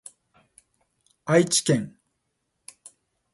愛知県